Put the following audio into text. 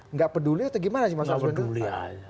nggak peduli atau gimana sih mas ars mendi